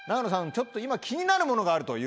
ちょっと今気になるものがあるということで。